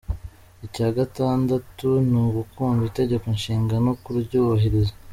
Icya gatandatu ni ugukunda itegeko nshinga no kuryubahiriza.